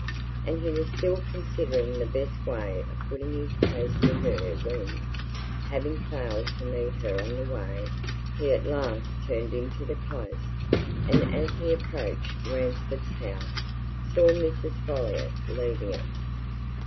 And he was still considering the best way of putting his case to her when, having failed to meet her on the way, he at last turned into the Close, and as he approached Ransford's house, saw Mrs. Folliot leaving it.